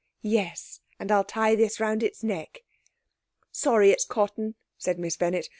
'Yes, and I'll tie this round its neck.' 'Sorry it's cotton,' said Miss Bennett.